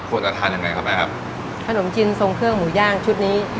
ควรจะทานยังไงครับแม่ครับขนมจีนทรงเครื่องหมูย่างชุดนี้